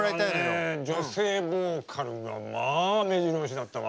今年はね女性ボーカルがまあめじろ押しだったわ。